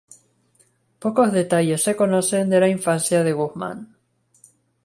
Pocos detalles se conocen de la infancia de Guzmán.